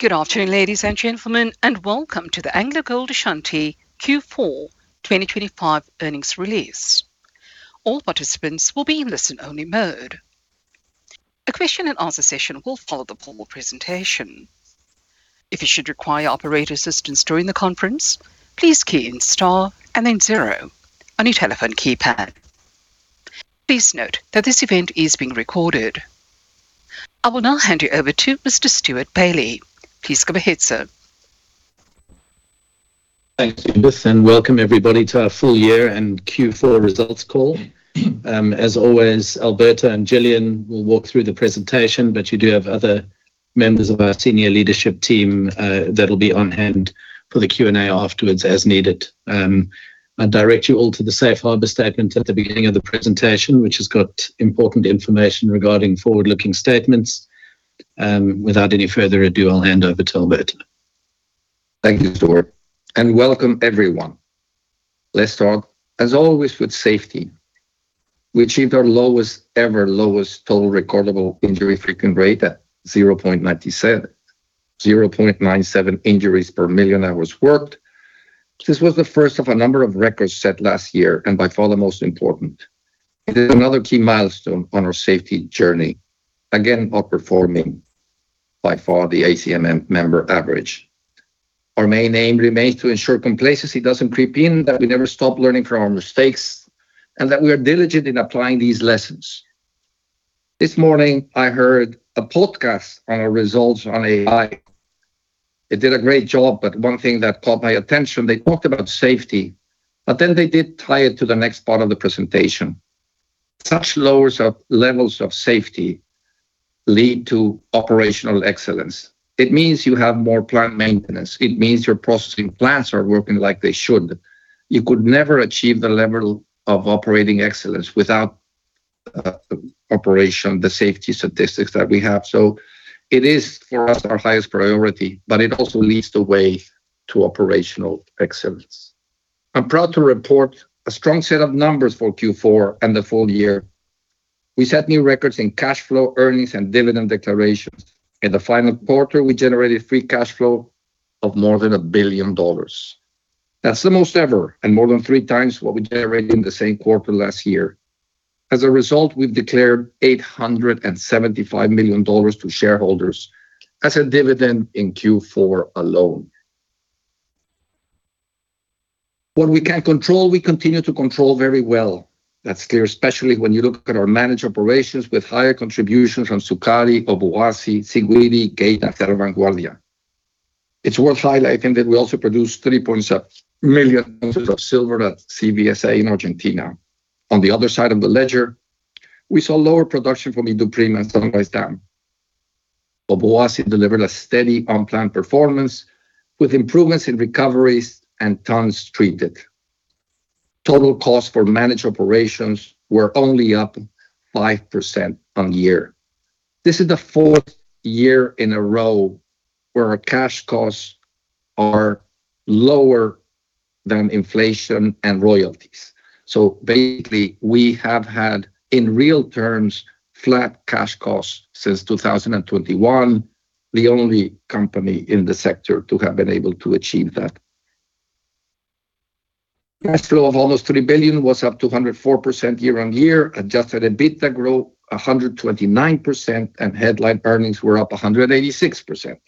Good afternoon, ladies and gentlemen, and welcome to the AngloGold Ashanti Q4 2025 Earnings Release. All participants will be in listen-only mode. A question and answer session will follow the formal presentation. If you should require operator assistance during the conference, please key in star and then zero on your telephone keypad. Please note that this event is being recorded. I will now hand you over to Mr. Stewart Bailey. Please go ahead, sir. Thank you, Liz, and welcome everybody to our full year and Q4 results call. As always, Alberto and Gillian will walk through the presentation, but you do have other members of our senior leadership team that'll be on hand for the Q&A afterwards as needed. I direct you all to the safe harbor statement at the beginning of the presentation, which has got important information regarding forward-looking statements. Without any further ado, I'll hand over to Alberto. Thank you, Stewart, and welcome everyone. Let's talk, as always, with safety. We achieved our lowest ever lowest total recordable injury frequency rate at 0.97, 0.97 injuries per million hours worked. This was the first of a number of records set last year, and by far the most important. It is another key milestone on our safety journey, again, outperforming by far the ACMM member average. Our main aim remains to ensure complacency doesn't creep in, that we never stop learning from our mistakes, and that we are diligent in applying these lessons. This morning I heard a podcast on our results on AI. It did a great job, but one thing that caught my attention, they talked about safety, but then they did tie it to the next part of the presentation. Such levels of safety lead to operational excellence. It means you have more plant maintenance. It means your processing plants are working like they should. You could never achieve the level of operating excellence without operation, the safety statistics that we have. So it is, for us, our highest priority, but it also leads the way to operational excellence. I'm proud to report a strong set of numbers for Q4 and the full year. We set new records in cash flow, earnings, and dividend declarations. In the final quarter, we generated free cash flow of more than $1 billion. That's the most ever, and more than 3x what we generated in the same quarter last year. As a result, we've declared $875 million to shareholders as a dividend in Q4 alone. What we can control, we continue to control very well. That's clear, especially when you look at our managed operations with higher contributions from Sukari, Obuasi, Siguiri, Geita, and Serra Grande. It's worth highlighting that we also produced 3.7 million ounces of silver at CVSA in Argentina. On the other side of the ledger, we saw lower production from Iduapriem and Sunrise Dam. Obuasi delivered a steady on-plan performance with improvements in recoveries and tons treated. Total costs for managed operations were only up 5% year-on-year. This is the fourth year in a row where our cash costs are lower than inflation and royalties. So basically, we have had, in real terms, flat cash costs since 2021, the only company in the sector to have been able to achieve that. Cash flow of almost $3 billion was up 104% year-on-year. Adjusted EBITDA grew 129%, and headline earnings were up 186%.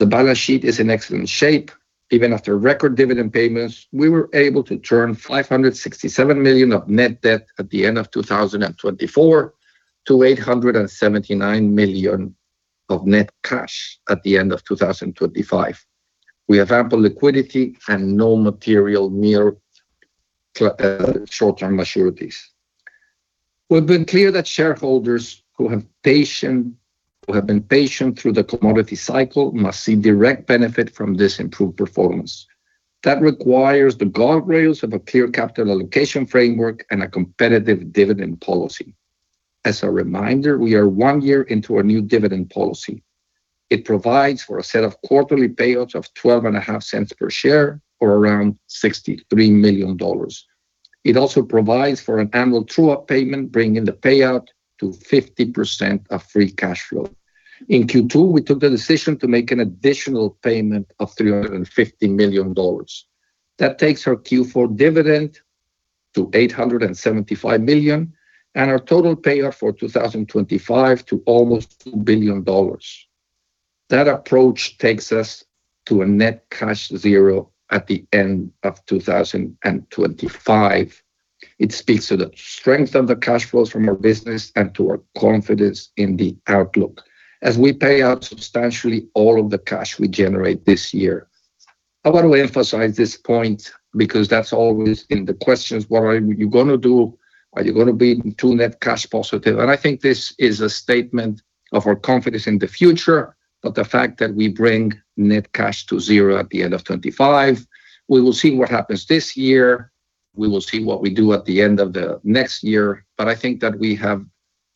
The balance sheet is in excellent shape. Even after record dividend payments, we were able to turn $567 million of net debt at the end of 2024 to $879 million of net cash at the end of 2025. We have ample liquidity and no material near-term maturities. We've been clear that shareholders who have patient who have been patient through the commodity cycle must see direct benefit from this improved performance. That requires the guardrails of a clear capital allocation framework and a competitive dividend policy. As a reminder, we are one year into our new dividend policy. It provides for a set of quarterly payouts of $0.125 per share, or around $63 million. It also provides for an annual true-up payment, bringing the payout to 50% of free cash flow. In Q2, we took the decision to make an additional payment of $350 million. That takes our Q4 dividend to $875 million, and our total payout for 2025 to almost $2 billion. That approach takes us to a net cash zero at the end of 2025. It speaks to the strength of the cash flows from our business and to our confidence in the outlook as we pay out substantially all of the cash we generate this year. I want to emphasize this point because that's always in the questions: What are you gonna do? Are you gonna be to net cash positive? And I think this is a statement of our confidence in the future, of the fact that we bring net cash to zero at the end of 2025. We will see what happens this year. We will see what we do at the end of the next year. But I think that we have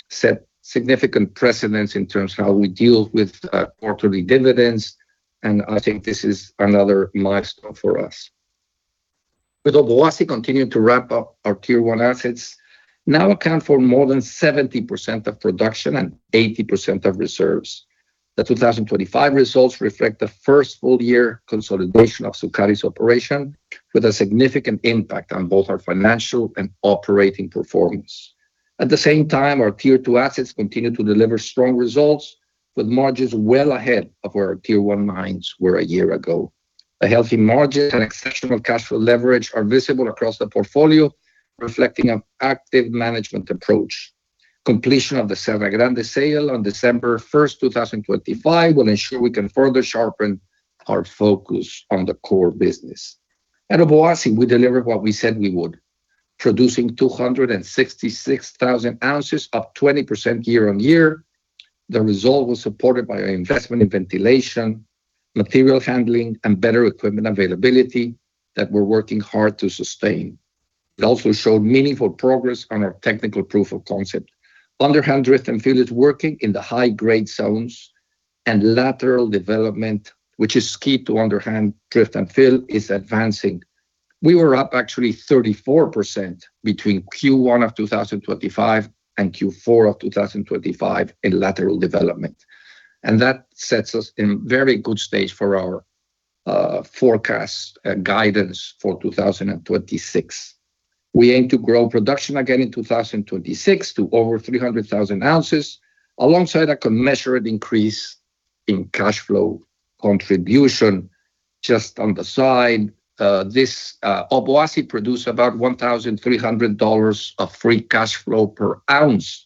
set significant precedents in terms of how we deal with quarterly dividends, and I think this is another milestone for us. With Obuasi continuing to wrap up, our Tier 1 assets now account for more than 70% of production and 80% of reserves. The 2025 results reflect the first full year consolidation of Sukari's operation, with a significant impact on both our financial and operating performance. At the same time, our Tier 2 assets continued to deliver strong results, with margins well ahead of where our Tier 1 mines were a year ago. A healthy margin and exceptional cash flow leverage are visible across the portfolio, reflecting an active management approach. Completion of the Cerrejón sale on December 1, 2025, will ensure we can further sharpen our focus on the core business. At Obuasi, we delivered what we said we would, producing 266,000 ounces, up 20% year-on-year. The result was supported by our investment in ventilation, material handling, and better equipment availability that we're working hard to sustain. It also showed meaningful progress on our technical proof of concept. Underhand Drift and Fill is working in the high-grade zones, and Lateral Development, which is key to Underhand Drift and Fill, is advancing. We were up actually 34% between Q1 of 2025 and Q4 of 2025 in lateral development, and that sets us in very good stage for our, forecast and guidance for 2026. We aim to grow production again in 2026 to over 300,000 ounces, alongside a commensurate increase in cash flow contribution. Just on the side, this, Obuasi produced about $1,300 of free cash flow per ounce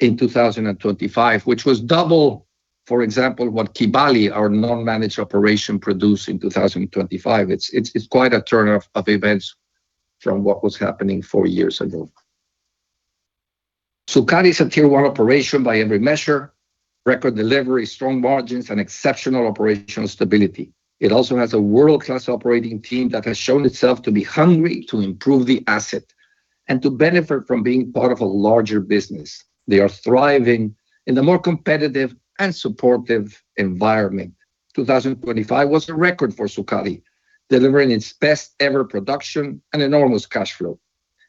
in 2025, which was double, for example, what Kibali, our non-managed operation, produced in 2025. It's quite a turn of events from what was happening four years ago. Sukari is a Tier 1 operation by every measure, record delivery, strong margins, and exceptional operational stability. It also has a world-class operating team that has shown itself to be hungry to improve the asset and to benefit from being part of a larger business. They are thriving in a more competitive and supportive environment. 2025 was a record for Sukari, delivering its best-ever production and enormous cash flow.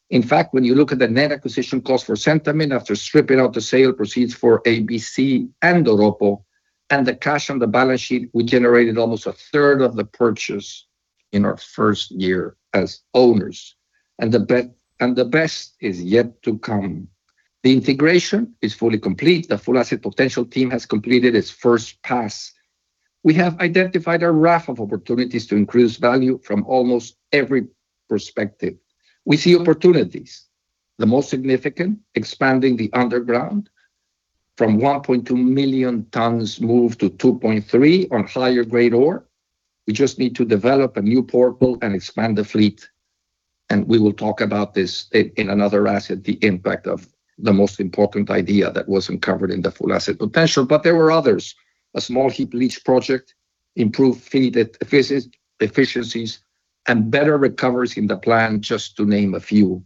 In fact, when you look at the net acquisition cost for Centamin, after stripping out the sale proceeds for ABC and Doropo, and the cash on the balance sheet, we generated almost a third of the purchase in our first year as owners, and the best is yet to come. The integration is fully complete. The Full Asset Potential team has completed its first pass. We have identified a raft of opportunities to increase value from almost every perspective. We see opportunities, the most significant, expanding the underground from 1.2 million tons moved to 2.3 on higher-grade ore. We just need to develop a new portal and expand the fleet, and we will talk about this in another asset, the impact of the most important idea that wasn't covered in the Full Asset Potential. But there were others, a small heap leach project, improved feed efficiencies, and better recoveries in the plant, just to name a few.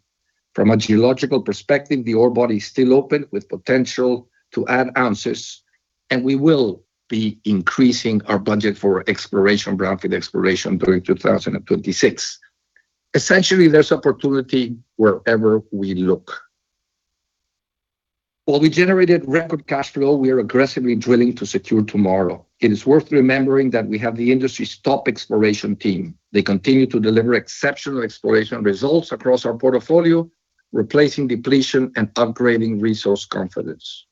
From a geological perspective, the ore body is still open, with potential to add ounces, and we will be increasing our budget for exploration, brownfield exploration, during 2026. Essentially, there's opportunity wherever we look. While we generated record cash flow, we are aggressively drilling to secure tomorrow. It is worth remembering that we have the industry's top exploration team. They continue to deliver exceptional exploration results across our portfolio, replacing depletion and upgrading resource confidence.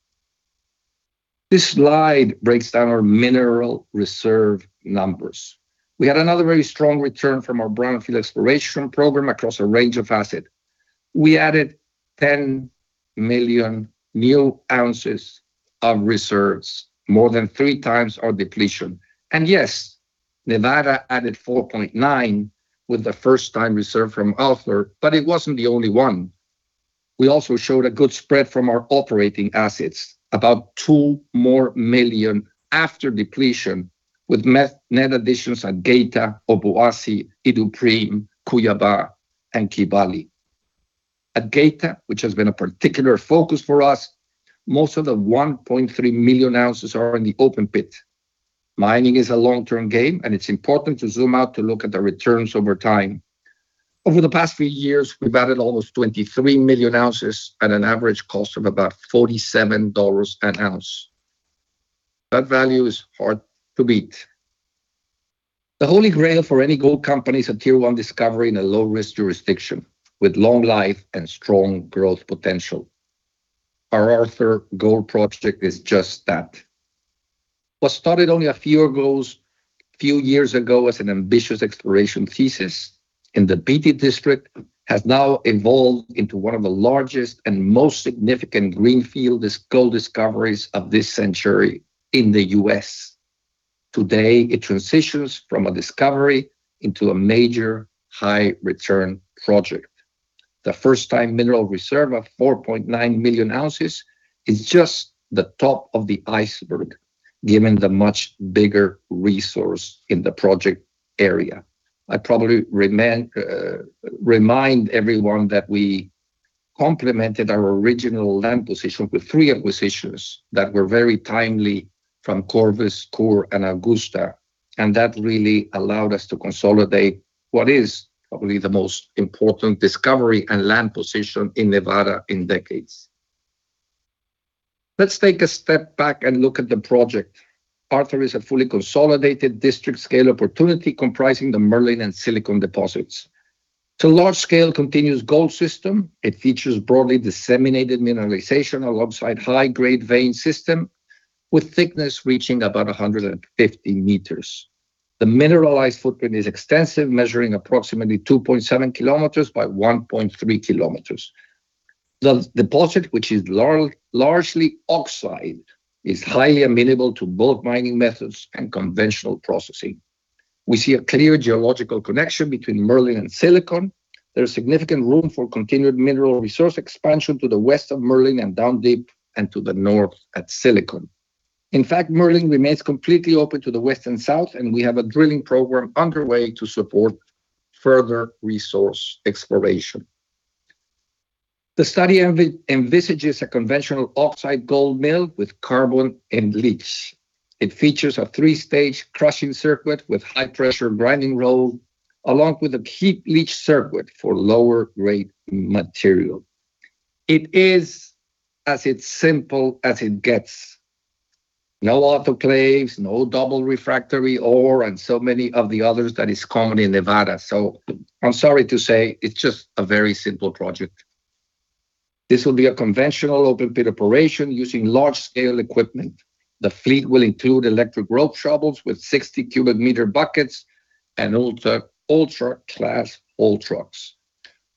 This slide breaks down our mineral reserve numbers. We had another very strong return from our brownfield exploration program across a range of assets. We added 10 million new ounces of reserves, more than 3x our depletion. And yes, Nevada added 4.9 with the first-time reserve from Arthur, but it wasn't the only one. We also showed a good spread from our operating assets, about two more million after depletion, with net additions at Geita, Obuasi, Iduapriem, Cuiabá, and Kibali. At Geita, which has been a particular focus for us, most of the 1.3 million ounces are in the open pit. Mining is a long-term game, and it's important to zoom out to look at the returns over time. Over the past few years, we've added almost 23 million ounces at an average cost of about $47 an ounce. That value is hard to beat. The holy grail for any gold company is a Tier 1 discovery in a low-risk jurisdiction, with long life and strong growth potential. Our Arthur Gold Project is just that. What started only a few years ago as an ambitious exploration thesis in the Beatty District, has now evolved into one of the largest and most significant greenfield gold discoveries of this century in the U.S. Today, it transitions from a discovery into a major high-return project. The first-time mineral reserve of 4.9 million ounces is just the top of the iceberg, given the much bigger resource in the project area. I probably remind everyone that we complemented our original land position with three acquisitions that were very timely from Corvus, Coeur, and Augusta, and that really allowed us to consolidate what is probably the most important discovery and land position in Nevada in decades. Let's take a step back and look at the project. Arthur is a fully consolidated district-scale opportunity comprising the Merlin and Silicon deposits. It's a large-scale continuous gold system. It features broadly disseminated mineralization alongside high-grade vein system, with thickness reaching about 150 meters. The mineralized footprint is extensive, measuring approximately 2.7 kilometers by 1.3 kilometers. The deposit, which is largely oxide, is highly amenable to both mining methods and conventional processing. We see a clear geological connection between Merlin and Silicon. There is significant room for continued mineral resource expansion to the west of Merlin and down deep and to the north at Silicon. In fact, Merlin remains completely open to the west and south, and we have a drilling program underway to support further resource exploration. The study envisages a conventional oxide gold mill with carbon-in-leach. It features a three-stage crushing circuit with high-pressure grinding roll, along with a heap leach circuit for lower-grade material. It is as it's simple as it gets. No autoclaves, no double refractory ore, and so many of the others that is common in Nevada. So I'm sorry to say, it's just a very simple project. This will be a conventional open pit operation using large-scale equipment. The fleet will include electric rope shovels with 60 cubic meter buckets and ultra-class haul trucks.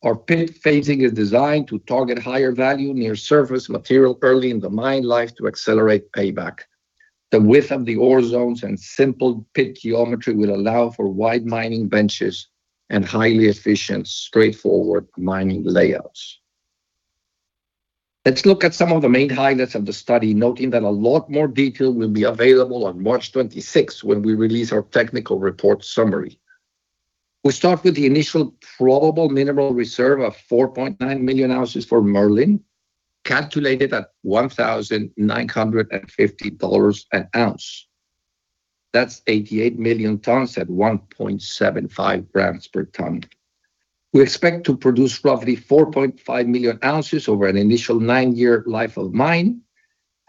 Our pit phasing is designed to target higher value near-surface material early in the mine life to accelerate payback. The width of the ore zones and simple pit geometry will allow for wide mining benches and highly efficient, straightforward mining layouts. Let's look at some of the main highlights of the study, noting that a lot more detail will be available on March 26 when we release our technical report summary. We start with the initial probable Mineral Reserve of 4.9 million ounces for Merlin, calculated at $1,950 an ounce. That's 88 million tons at 1.75 grams per ton. We expect to produce roughly 4.5 million ounces over an initial nine-year life of mine.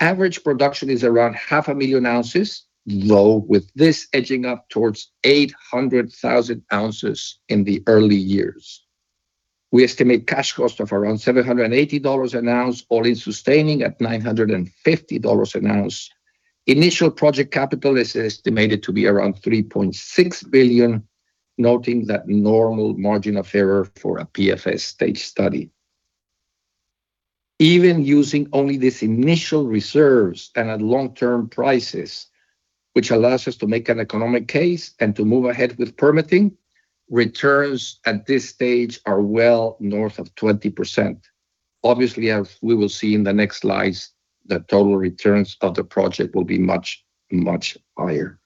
Average production is around 500,000 ounces, though, with this edging up towards 800,000 ounces in the early years. We estimate cash cost of around $780 an ounce, all-in sustaining at $950 an ounce. Initial project capital is estimated to be around $3.6 billion, noting that normal margin of error for a PFS stage study. Even using only these initial reserves and at long-term prices, which allows us to make an economic case and to move ahead with permitting, returns at this stage are well north of 20%. Obviously, as we will see in the next slides, the total returns of the project will be much, much higher.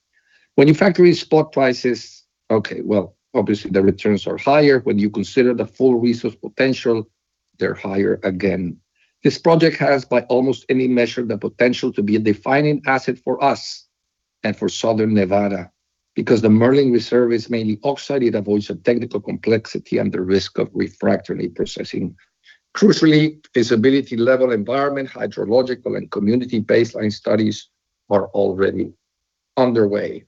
When you factor in spot prices, okay, well, obviously, the returns are higher. When you consider the full resource potential, they're higher again. This project has, by almost any measure, the potential to be a defining asset for us and for southern Nevada. Because the Merlin Reserve is mainly oxide, it avoids the technical complexity and the risk of refractory processing. Crucially, feasibility-level environmental, hydrological, and community baseline studies are already underway.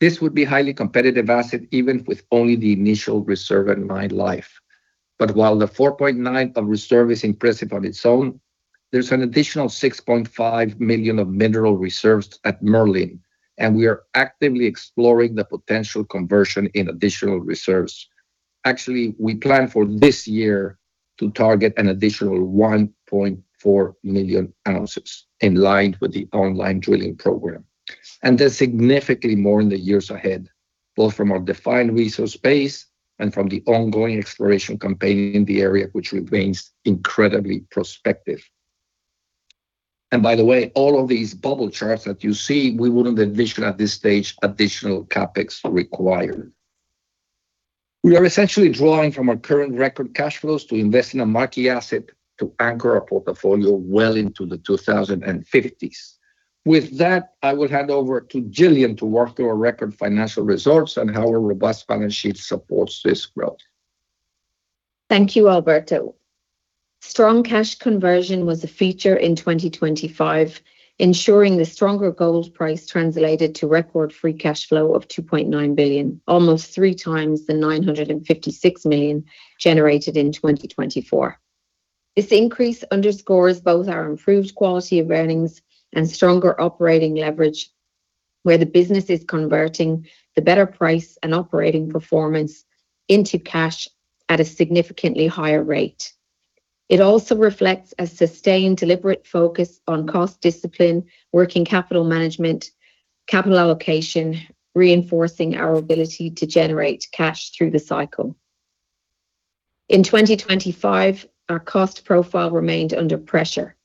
This would be a highly competitive asset, even with only the initial reserve and mine life. But while the 4.9 of reserve is impressive on its own, there's an additional 6.5 million of mineral reserves at Merlin, and we are actively exploring the potential conversion to additional reserves. Actually, we plan for this year to target an additional 1.4 million ounces, in line with the ongoing drilling program. And there's significantly more in the years ahead, both from our defined resource base and from the ongoing exploration campaign in the area, which remains incredibly prospective. And by the way, all of these bubble charts that you see, we wouldn't envision at this stage additional CapEx required. We are essentially drawing from our current record cash flows to invest in a marquee asset to anchor our portfolio well into the 2050s. With that, I will hand over to Gillian to walk through our record financial results and how our robust balance sheet supports this growth. Thank you, Alberto. Strong cash conversion was a feature in 2025, ensuring the stronger gold price translated to record free cash flow of $2.9 billion, almost 3x the $956 million generated in 2024. This increase underscores both our improved quality of earnings and stronger operating leverage, where the business is converting the better price and operating performance into cash at a significantly higher rate. It also reflects a sustained, deliberate focus on cost discipline, working capital management, capital allocation, reinforcing our ability to generate cash through the cycle. In 2025, our cost profile remained under pressure.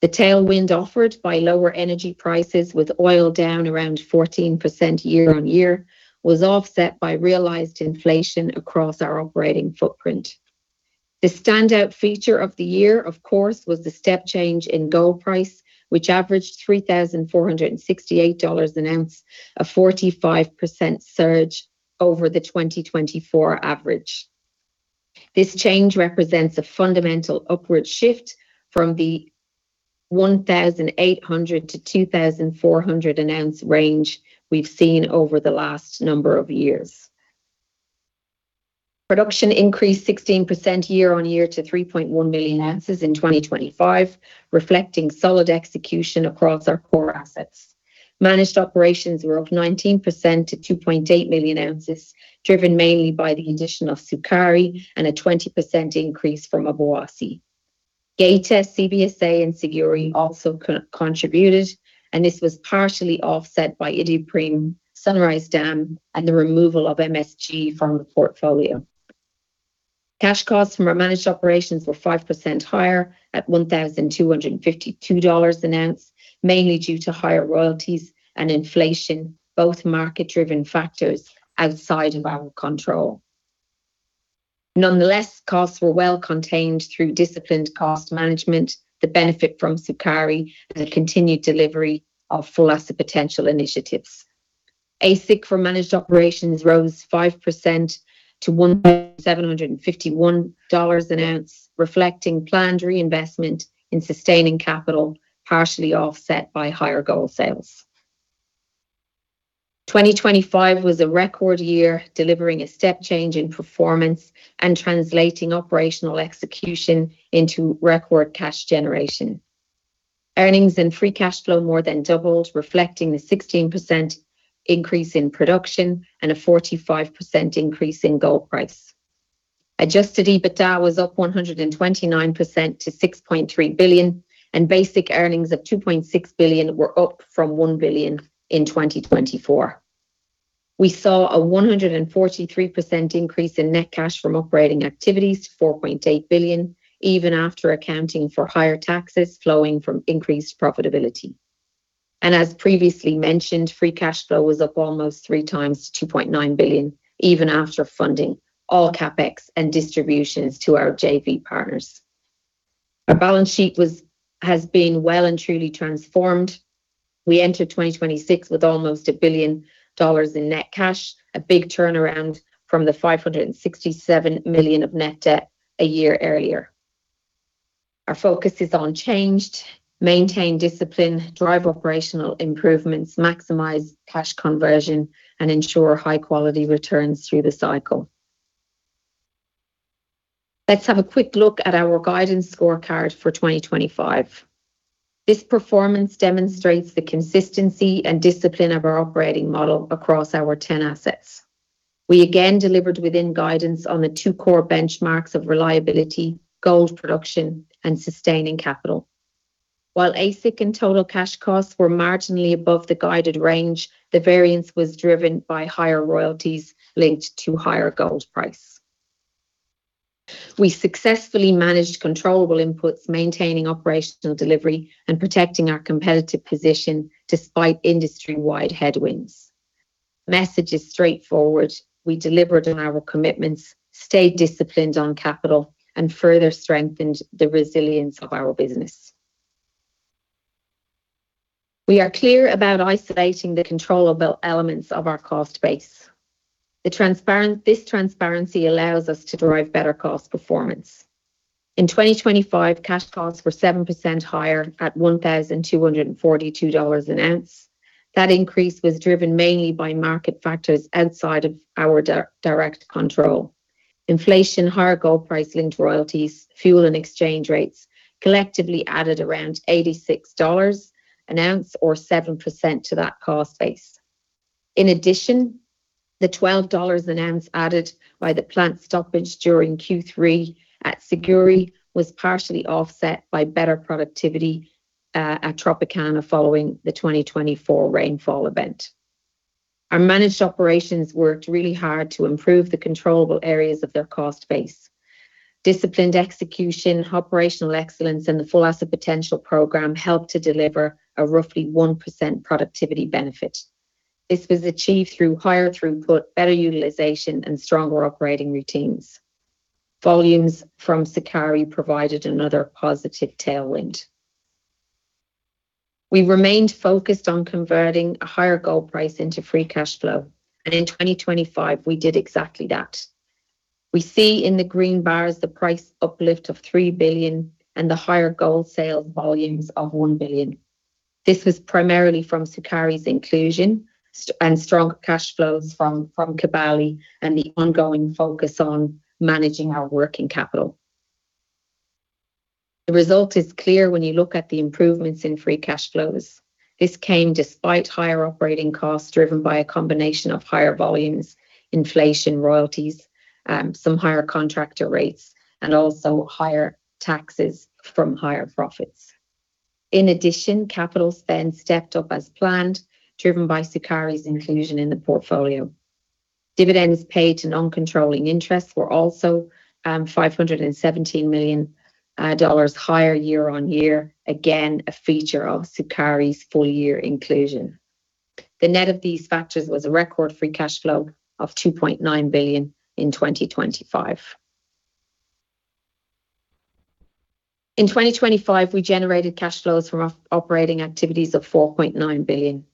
The tailwind offered by lower energy prices, with oil down around 14% year-on-year, was offset by realized inflation across our operating footprint. The standout feature of the year, of course, was the step change in gold price, which averaged $3,468 an ounce, a 45% surge over the 2024 average. This change represents a fundamental upward shift from the $1,800-$2,400 an ounce range we've seen over the last number of years. Production increased 16% year-on-year to 3.1 million ounces in 2025, reflecting solid execution across our core assets. Managed operations were up 19% to 2.8 million ounces, driven mainly by the addition of Sukari and a 20% increase from Obuasi. Geita, CVSA, and Siguiri also contributed, and this was partially offset by Iduapriem, Sunrise Dam, and the removal of MSG from the portfolio. Cash costs from our managed operations were 5% higher at $1,252 an ounce, mainly due to higher royalties and inflation, both market-driven factors outside of our control. Nonetheless, costs were well contained through disciplined cost management, the benefit from Sukari, and the continued delivery of Full Asset Potential initiatives. AISC for managed operations rose 5% to $1,751 an ounce, reflecting planned reinvestment in sustaining capital, partially offset by higher gold sales. 2025 was a record year, delivering a step change in performance and translating operational execution into record cash generation. Earnings and free cash flow more than doubled, reflecting the 16% increase in production and a 45% increase in gold price. Adjusted EBITDA was up 129% to $6.3 billion, and basic earnings of $2.6 billion were up from $1 billion in 2024. We saw a 143% increase in net cash from operating activities to $4.8 billion, even after accounting for higher taxes flowing from increased profitability. As previously mentioned, free cash flow was up almost 3x to $2.9 billion, even after funding all CapEx and distributions to our JV partners. Our balance sheet has been well and truly transformed. We entered 2026 with almost $1 billion in net cash, a big turnaround from the $567 million of net debt a year earlier. Our focus is unchanged: maintain discipline, drive operational improvements, maximize cash conversion, and ensure high-quality returns through the cycle. Let's have a quick look at our guidance scorecard for 2025. This performance demonstrates the consistency and discipline of our operating model across our 10 assets. We again delivered within guidance on the two core benchmarks of reliability, gold production, and sustaining capital. While AISC and total cash costs were marginally above the guided range, the variance was driven by higher royalties linked to higher gold price. We successfully managed controllable inputs, maintaining operational delivery and protecting our competitive position despite industry-wide headwinds. Message is straightforward: We delivered on our commitments, stayed disciplined on capital, and further strengthened the resilience of our business. We are clear about isolating the controllable elements of our cost base. The transparency allows us to derive better cost performance. In 2025, cash costs were 7% higher at $1,242 an ounce. That increase was driven mainly by market factors outside of our direct control. Inflation, higher gold price linked royalties, fuel and exchange rates collectively added around $86 an ounce or 7% to that cost base. In addition, the $12 an ounce added by the plant stoppage during Q3 at Siguiri was partially offset by better productivity at Tropicana following the 2024 rainfall event. Our managed operations worked really hard to improve the controllable areas of their cost base. Disciplined execution, operational excellence, and the Full Asset Potential program helped to deliver a roughly 1% productivity benefit. This was achieved through higher throughput, better utilization, and stronger operating routines. Volumes from Sukari provided another positive tailwind. We remained focused on converting a higher gold price into free cash flow, and in 2025 we did exactly that. We see in the green bars the price uplift of $3 billion and the higher gold sales volumes of $1 billion. This was primarily from Sukari's inclusion and strong cash flows from Kibali, and the ongoing focus on managing our working capital. The result is clear when you look at the improvements in free cash flows. This came despite higher operating costs, driven by a combination of higher volumes, inflation, royalties, some higher contractor rates, and also higher taxes from higher profits. In addition, capital spend stepped up as planned, driven by Sukari's inclusion in the portfolio. Dividends paid to non-controlling interests were also $517 million dollars higher year-on-year, again, a feature of Sukari's full year inclusion. The net of these factors was a record free cash flow of $2.9 billion in 2025. In 2025, we generated cash flows from operating activities of $4.9 billion.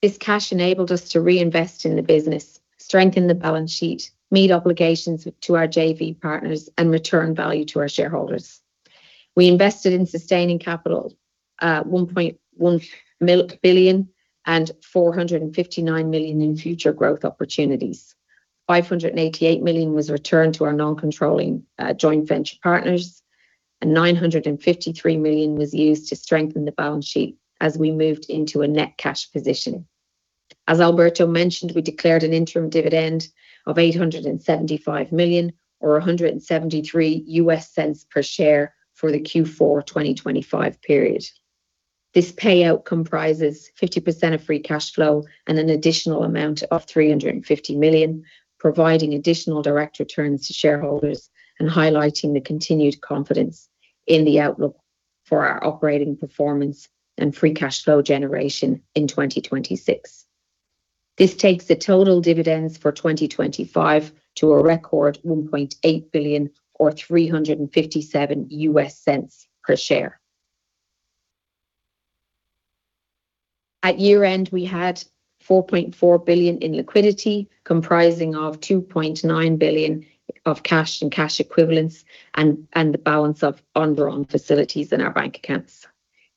This cash enabled us to reinvest in the business, strengthen the balance sheet, meet obligations to our JV partners, and return value to our shareholders. We invested in sustaining capital, $1.1 billion and $459 million in future growth opportunities. $588 million was returned to our non-controlling joint venture partners, and $953 million was used to strengthen the balance sheet as we moved into a net cash position. As Alberto mentioned, we declared an interim dividend of $875 million or $1.73 per share for the Q4 2025 period. This payout comprises 50% of free cash flow and an additional amount of $350 million, providing additional direct returns to shareholders and highlighting the continued confidence in the outlook for our operating performance and free cash flow generation in 2026. This takes the total dividends for 2025 to a record $1.8 billion or $3.57 per share. At year-end, we had $4.4 billion in liquidity, comprising $2.9 billion of cash and cash equivalents and the balance of undrawn facilities in our bank accounts.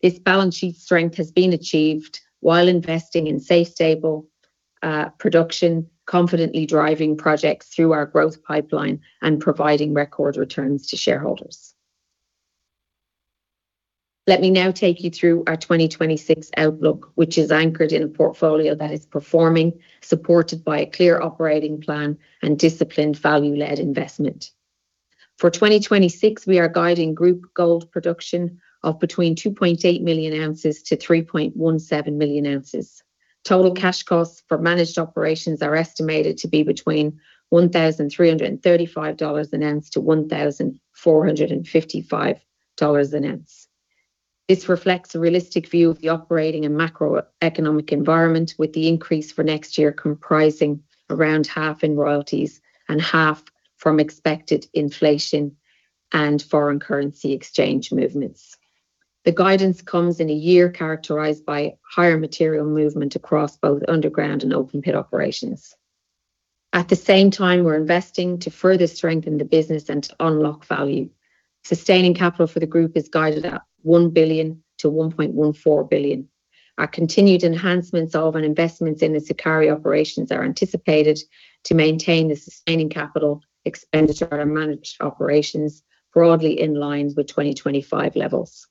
This balance sheet strength has been achieved while investing in safe, stable, production, confidently driving projects through our growth pipeline, and providing record returns to shareholders. Let me now take you through our 2026 outlook, which is anchored in a portfolio that is performing, supported by a clear operating plan and disciplined value-led investment. For 2026, we are guiding group gold production of between 2.8-3.17 million ounces. Total cash costs for managed operations are estimated to be between $1,335-$1,455 an ounce. This reflects a realistic view of the operating and macroeconomic environment, with the increase for next year comprising around half in royalties and half from expected inflation and foreign currency exchange movements. The guidance comes in a year characterized by higher material movement across both underground and open pit operations. At the same time, we're investing to further strengthen the business and to unlock value. Sustaining capital for the group is guided at $1 billion-$1.14 billion. Our continued enhancements of and investments in the Sukari operations are anticipated to maintain the sustaining capital expenditure and managed operations broadly in line with 2025 levels.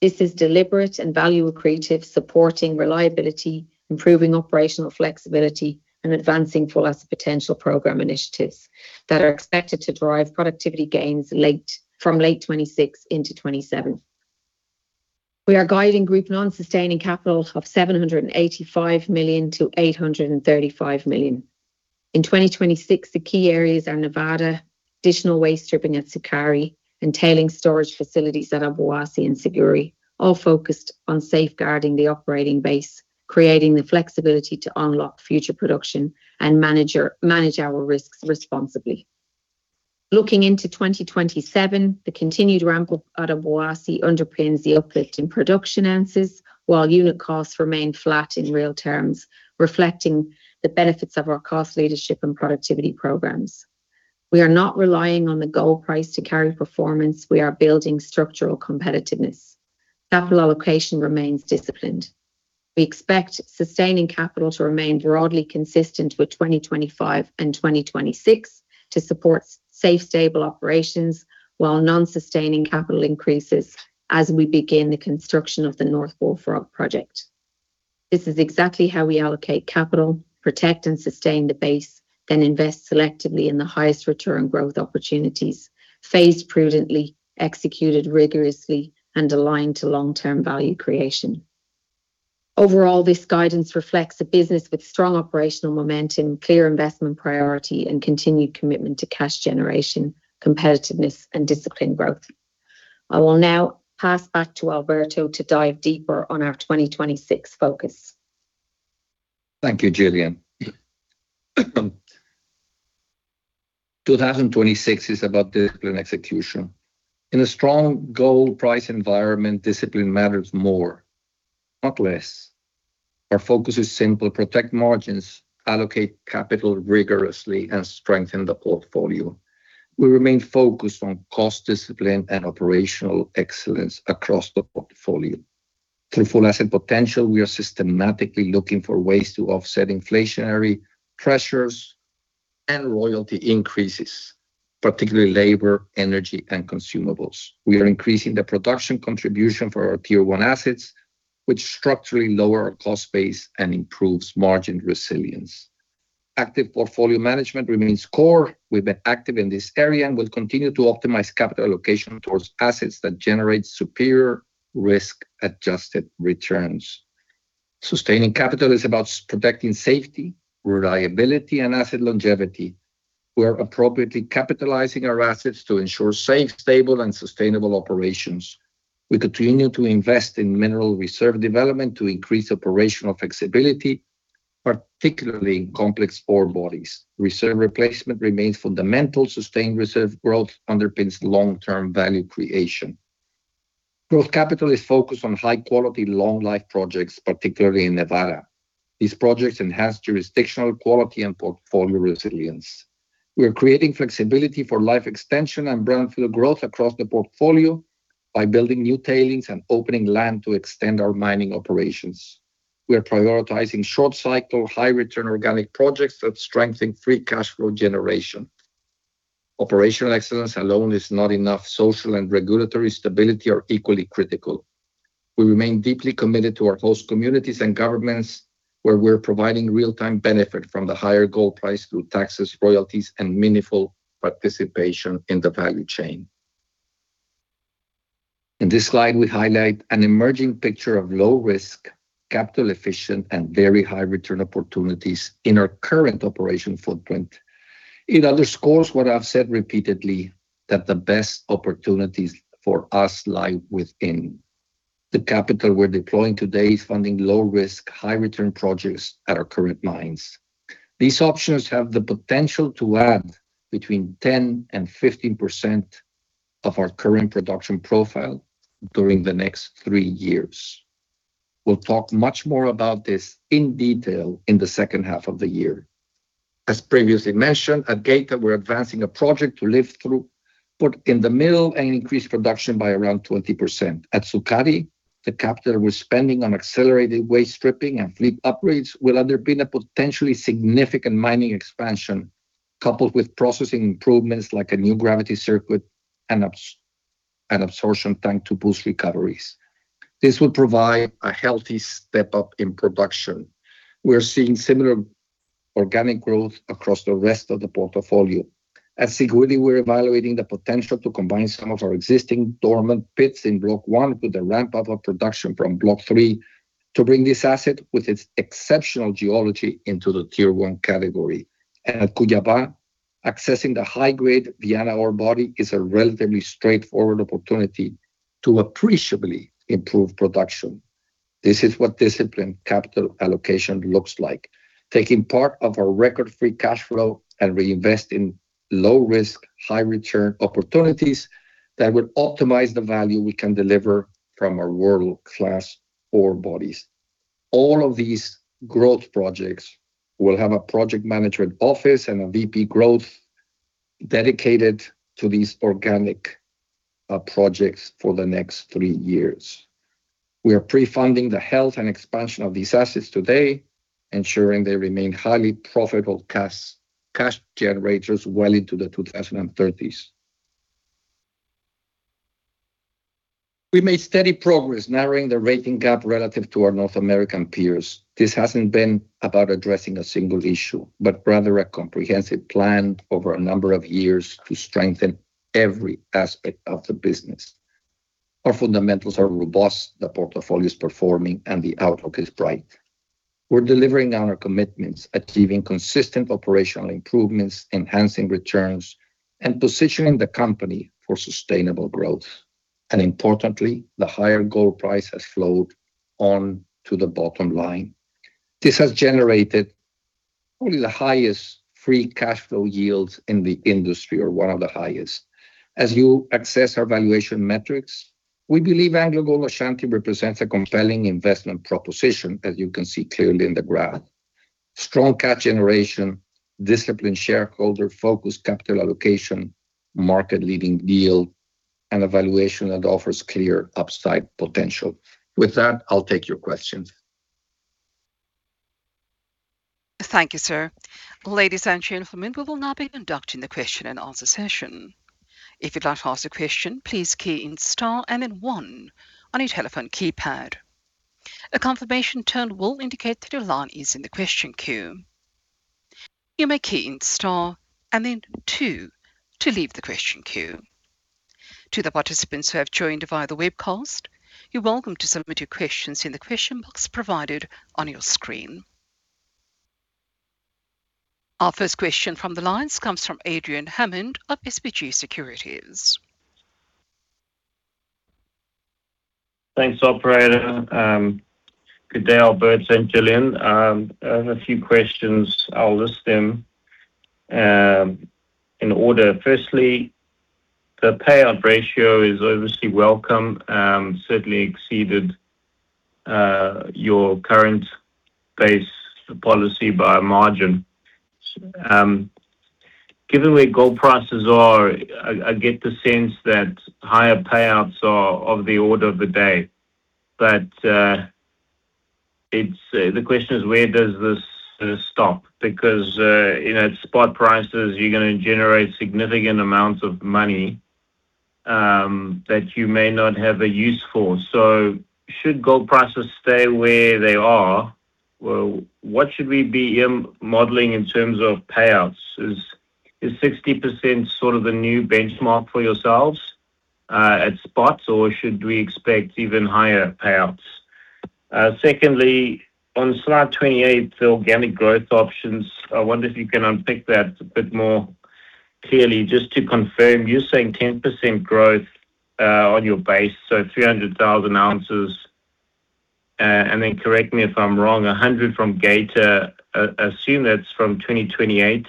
This is deliberate and value accretive, supporting reliability, improving operational flexibility, and advancing Full Asset Potential program initiatives that are expected to drive productivity gains from late 2026 into 2027. We are guiding group non-sustaining capital of $785 million-$835 million. In 2026, the key areas are Nevada, additional waste stripping at Sukari, and tailings storage facilities at Obuasi and Siguiri, all focused on safeguarding the operating base, creating the flexibility to unlock future production and manage our risks responsibly. Looking into 2027, the continued ramp up at Obuasi underpins the uplift in production ounces, while unit costs remain flat in real terms, reflecting the benefits of our cost leadership and productivity programs. We are not relying on the gold price to carry performance; we are building structural competitiveness. Capital allocation remains disciplined. We expect sustaining capital to remain broadly consistent with 2025 and 2026 to support safe, stable operations, while non-sustaining capital increases as we begin the construction of the North Bullfrog project. This is exactly how we allocate capital, protect and sustain the base, then invest selectively in the highest return growth opportunities, phased prudently, executed rigorously, and aligned to long-term value creation. Overall, this guidance reflects a business with strong operational momentum, clear investment priority, and continued commitment to cash generation, competitiveness, and disciplined growth. I will now pass back to Alberto to dive deeper on our 2026 focus. Thank you, Gillian. 2026 is about discipline execution. In a strong gold price environment, discipline matters more, not less. Our focus is simple: protect margins, allocate capital rigorously, and strengthen the portfolio. We remain focused on cost discipline and operational excellence across the portfolio. Through Full Asset Potential, we are systematically looking for ways to offset inflationary pressures and royalty increases, particularly labor, energy, and consumables. We are increasing the production contribution for our Tier 1 assets, which structurally lower our cost base and improves margin resilience. Active portfolio management remains core. We've been active in this area and will continue to optimize capital allocation towards assets that generate superior risk-adjusted returns. Sustaining capital is about protecting safety, reliability, and asset longevity. We are appropriately capitalizing our assets to ensure safe, stable, and sustainable operations. We continue to invest in mineral reserve development to increase operational flexibility, particularly in complex ore bodies. Reserve replacement remains fundamental. Sustained reserve growth underpins long-term value creation. Growth capital is focused on high-quality, long-life projects, particularly in Nevada. These projects enhance jurisdictional quality and portfolio resilience. We are creating flexibility for life extension and brownfield growth across the portfolio by building new tailings and opening land to extend our mining operations. We are prioritizing short-cycle, high-return organic projects that strengthen free cash flow generation. Operational excellence alone is not enough. Social and regulatory stability are equally critical. We remain deeply committed to our host communities and governments, where we're providing real-time benefit from the higher gold price through taxes, royalties, and meaningful participation in the value chain. In this slide, we highlight an emerging picture of low-risk, capital-efficient, and very high-return opportunities in our current operation footprint. It underscores what I've said repeatedly, that the best opportunities for us lie within. The capital we're deploying today is funding low-risk, high-return projects at our current mines. These options have the potential to add between 10% and 15% of our current production profile during the next three years. We'll talk much more about this in detail in the second half of the year. As previously mentioned, at Geita, we're advancing a project to lift throughput, put in the middle, and increase production by around 20%. At Sukari, the capital we're spending on accelerated waste stripping and fleet upgrades will underpin a potentially significant mining expansion, coupled with processing improvements like a new gravity circuit and an adsorption tank to boost recoveries. This will provide a healthy step-up in production. We're seeing similar organic growth across the rest of the portfolio. At Siguiri, we're evaluating the potential to combine some of our existing dormant pits in Block One with the ramp-up of production from Block Three to bring this asset, with its exceptional geology, into the Tier One category. At Cuiabá, accessing the high-grade Viana ore body is a relatively straightforward opportunity to appreciably improve production. This is what disciplined capital allocation looks like: taking part of our record-free cash flow and reinvest in low-risk, high-return opportunities that will optimize the value we can deliver from our world-class ore bodies. All of these growth projects will have a project management office and a VP growth dedicated to these organic projects for the next three years. We are pre-funding the health and expansion of these assets today, ensuring they remain highly profitable cash generators well into the 2030s. We made steady progress narrowing the rating gap relative to our North American peers. This hasn't been about addressing a single issue, but rather a comprehensive plan over a number of years to strengthen every aspect of the business. Our fundamentals are robust, the portfolio is performing, and the outlook is bright. We're delivering on our commitments, achieving consistent operational improvements, enhancing returns, and positioning the company for sustainable growth. And importantly, the higher gold price has flowed on to the bottom line. This has generated only the highest free cash flow yields in the industry, or one of the highest. As you access our valuation metrics, we believe AngloGold Ashanti represents a compelling investment proposition, as you can see clearly in the graph. Strong cash generation, disciplined shareholder, focused capital allocation, market-leading yield, and a valuation that offers clear upside potential. With that, I'll take your questions. Thank you, sir. Ladies and gentlemen, we will now be conducting the question-and-answer session. If you'd like to ask a question, please key in star and then one on your telephone keypad. A confirmation tone will indicate that your line is in the question queue. You may key in star and then two to leave the question queue. To the participants who have joined via the webcast, you're welcome to submit your questions in the question box provided on your screen. Our first question from the lines comes from Adrian Hammond of SBG Securities. Thanks, operator. Good day, Alberto, Gillian. I have a few questions. I'll list them in order. Firstly, the payout ratio is obviously welcome, certainly exceeded your current base policy by a margin. Given where gold prices are, I get the sense that higher payouts are of the order of the day. But it's the question is: Where does this stop? Because you know, spot prices, you're gonna generate significant amounts of money that you may not have a use for. So should gold prices stay where they are, well, what should we be modeling in terms of payouts? Is 60% sort of the new benchmark for yourselves? At spots, or should we expect even higher payouts? Secondly, on slide 28, the organic growth options, I wonder if you can unpick that a bit more clearly. Just to confirm, you're saying 10% growth on your base, so 300,000 ounces. And then correct me if I'm wrong, 100 from Geita, I, I assume that's from 2028.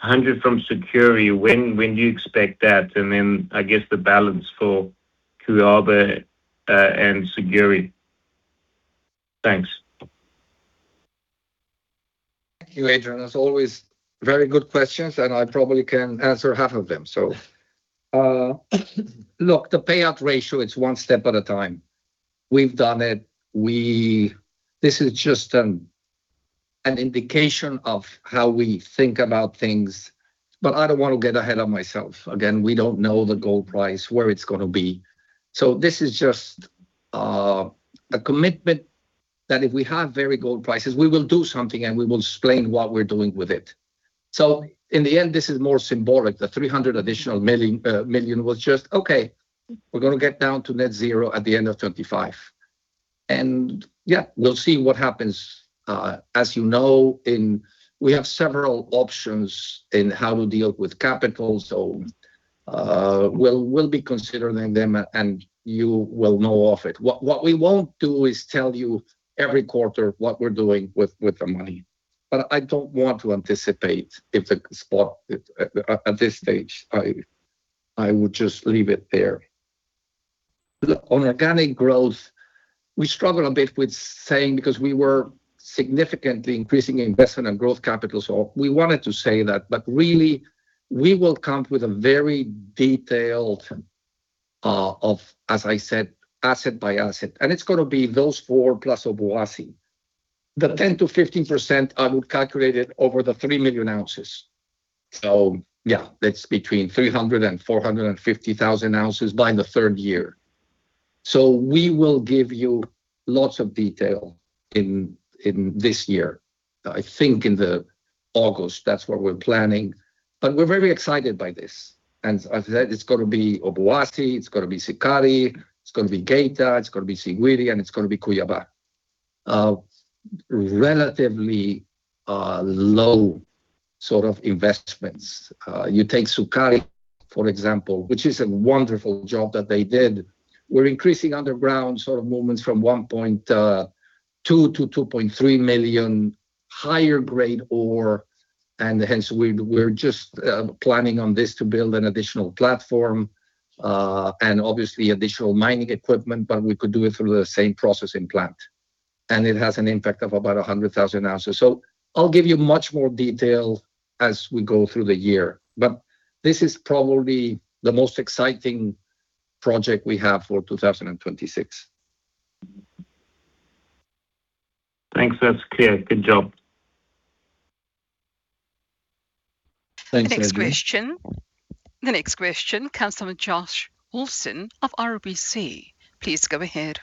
100 from Siguiri, when, when do you expect that? And then, I guess the balance for Cuiabá and Siguiri. Thanks. Thank you, Adrian. As always, very good questions, and I probably can answer half of them. So, look, the payout ratio, it's one step at a time. We've done it. This is just an indication of how we think about things, but I don't want to get ahead of myself. Again, we don't know the gold price, where it's gonna be, so this is just a commitment that if we have very gold prices, we will do something, and we will explain what we're doing with it. So in the end, this is more symbolic. The $300 million additional was just, okay, we're gonna get down to net zero at the end of 2025. And, yeah, we'll see what happens. As you know, in. We have several options in how to deal with capital, so, we'll be considering them, and you will know of it. What we won't do is tell you every quarter what we're doing with the money. But I don't want to anticipate if the spot at this stage. I would just leave it there. Look, on organic growth, we struggled a bit with saying, because we were significantly increasing investment and growth capital, so we wanted to say that, but really, we will come up with a very detailed, as I said, asset by asset, and it's gonna be those four, plus Obuasi. The 10%-15%, I would calculate it over the 3 million ounces. So yeah, that's between 300 and 450 thousand ounces by the third year. So we will give you lots of detail in this year. I think in August, that's what we're planning, but we're very excited by this. And as I said, it's gonna be Obuasi, it's gonna be Sukari, it's gonna be Geita, it's gonna be Siguiri, and it's gonna be Cuiabá. Relatively low sort of investments. You take Sukari, for example, which is a wonderful job that they did. We're increasing underground sort of movements from 1.2 to 2.3 million higher grade ore, and hence we're just planning on this to build an additional platform, and obviously additional mining equipment, but we could do it through the same processing plant, and it has an impact of about 100,000 ounces. I'll give you much more detail as we go through the year, but this is probably the most exciting project we have for 2026. Thanks. That's clear. Good job. Thanks, Adrian. The next question. The next question comes from Josh Wolfson of RBC. Please go ahead.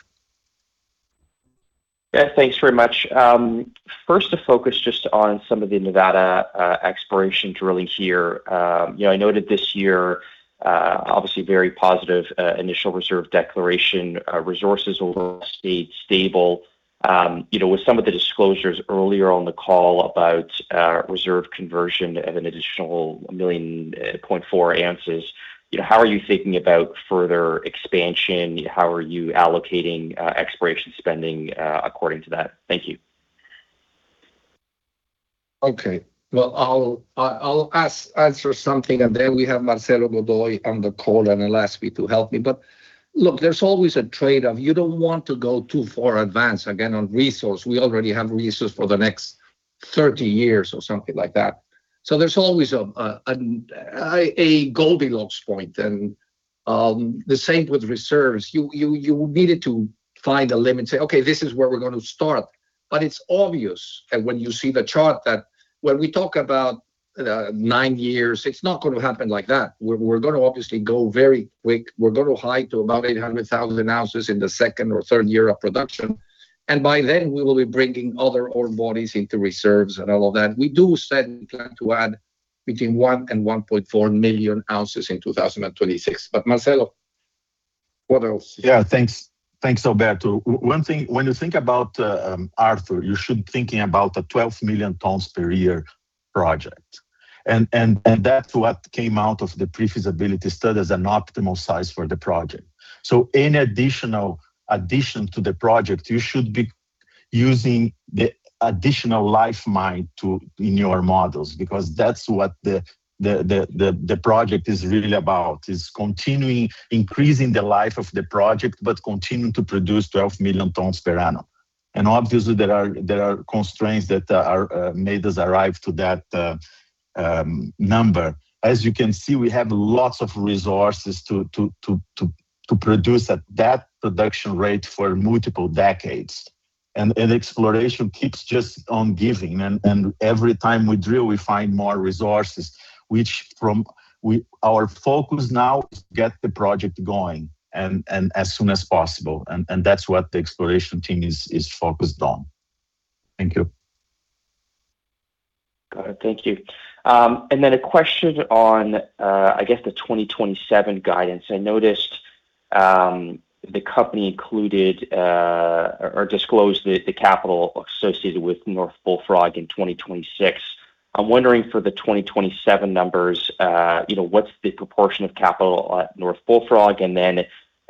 Yeah, thanks very much. First, to focus just on some of the Nevada exploration drilling here. You know, I noted this year, obviously, very positive initial reserve declaration, resources overall stayed stable. You know, with some of the disclosures earlier on the call about reserve conversion of an additional 1.4 million ounces, you know, how are you thinking about further expansion? How are you allocating exploration spending according to that? Thank you. Okay. Well, I'll answer something, and then we have Marcelo Godoy on the call, and I'll ask him to help me. But look, there's always a trade-off. You don't want to go too far ahead. Again, on resource, we already have resource for the next 30 years or something like that. So there's always a Goldilocks point, and the same with reserves. You needed to find a limit and say, "Okay, this is where we're gonna start." But it's obvious that when you see the chart, that when we talk about nine years, it's not gonna happen like that. We're gonna obviously go very quick. We're gonna hit to about 800,000 ounces in the second or third year of production, and by then, we will be bringing other ore bodies into reserves and all of that. We do certainly plan to add between 1 and 1.4 million ounces in 2026. But Marcelo, what else? Yeah, thanks. Thanks, Alberto. One thing, when you think about Arthur, you should thinking about a 12 million tons per year project, and that's what came out of the pre-feasibility study as an optimal size for the project. So any additional addition to the project, you should be using the additional life mine to in your models, because that's what the project is really about, is continuing, increasing the life of the project, but continuing to produce 12 million tons per annum. And obviously, there are constraints that are made us arrive to that number. As you can see, we have lots of resources to produce at that production rate for multiple decades. Exploration keeps just on giving, and every time we drill, we find more resources. Our focus now is to get the project going as soon as possible, and that's what the exploration team is focused on. Thank you. Thank you. And then a question on, I guess the 2027 guidance. I noticed, the company included, or disclosed the, the capital associated with North Bullfrog in 2026. I'm wondering for the 2027 numbers, you know, what's the proportion of capital at North Bullfrog? And then,